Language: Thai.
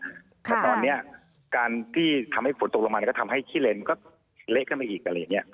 แต่ตอนนี้การที่ทำให้ฝนตกลงมาก็ทำให้ขี้เลนก็เละขึ้นมาอีกอะไรอย่างนี้